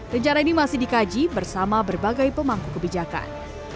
rencana ini masih dikaji bersama berbagai pemangku kebijakan